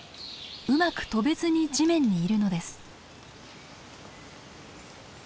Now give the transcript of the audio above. うまく飛べずに地面にいるのです。